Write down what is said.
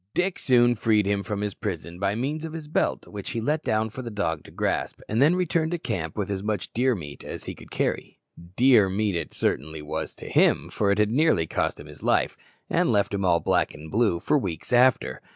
Dick soon freed him from his prison by means of his belt, which he let down for the dog to grasp, and then returned to camp with as much deer meat as he could carry. Dear meat it certainly was to him, for it had nearly cost him his life, and left him all black and blue for weeks after.